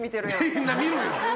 みんな見るよ。